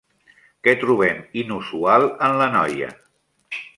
Què trobem inusual en la noia?